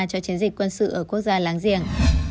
cho chiến dịch quân sự ở quốc gia láng giềng